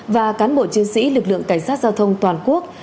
và cán bộ chiến sĩ lực lượng cảnh sát giao thông toàn quốc